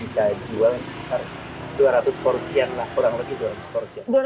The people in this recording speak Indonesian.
bisa jual sekitar dua ratus porsian lah kurang lebih dua ratus porsi